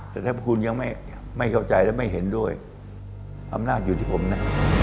แต่ถ้าคุณยังไม่เข้าใจและไม่เห็นด้วยอำนาจอยู่ที่ผมนะ